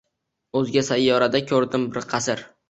o‘zga sayyorada ko‘rdim bir qasr